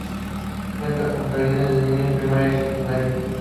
Cuenta con jardines de niños, primaria y secundaria.